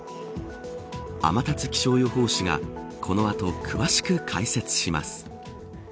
天達気象予報士がこの後、詳しく解説します。